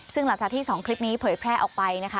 ซึ่งหลังจากที่๒คลิปนี้เผยแพร่ออกไปนะคะ